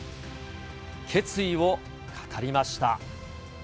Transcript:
決意を語りました。